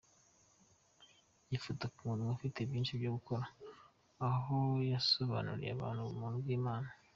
Yifata nk’umuntu ufite byinshi byo gukora aho gusobanurira abantu ubuntu bw’Imana.